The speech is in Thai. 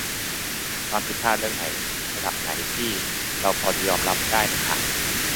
ความผิดพลาดเรื่องไหนระดับไหนที่เราพอจะยอมรับได้ในข่าว ?